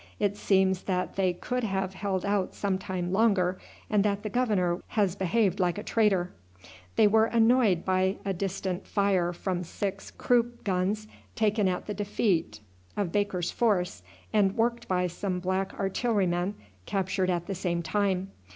It seems that they could have held out some time longer, and that the governor has behaved like a traitor. They were annoyed by a distant fire from six Krupp guns taken at the defeat of Baker's force, and worked by some black artillerymen captured at the same time.